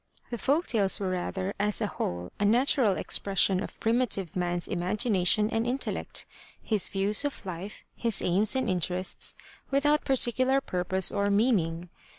The folk tales were rather as a whole a natural expression of primitive man*s imagination and intellect, his views of Hfe, his aims and interests, without particular purpose or meaning.